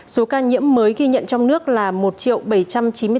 số ca nhiễm mới ghi nhận trong nước là một bảy trăm chín mươi bốn tám trăm sáu mươi sáu ca